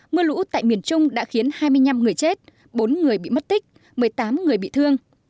mưa lũ tại miền trung đã khiến hai mươi năm người chết bốn người bị mất tích một mươi tám người bị thương